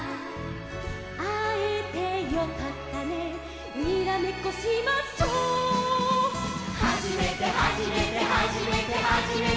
「あえてよかったねにらめっこしましょ」「はじめてはじめてはじめてはじめて」